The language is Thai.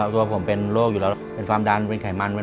รายการต่อไปนี้เป็นรายการทั่วไปสามารถรับชมได้ทุกวัย